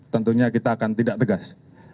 tentunya kita akan tindak tegas